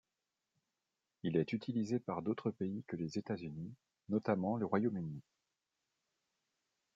Il est utilisé par d'autres pays que les États-Unis, notamment le Royaume-Uni.